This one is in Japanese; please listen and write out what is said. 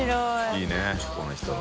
いいこの人。